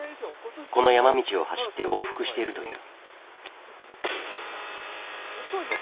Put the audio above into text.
この山道を走って往復しているという。